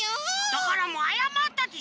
だからもうあやまったでしょ！